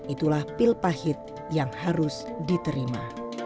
itulah pil pahit yang harus diterima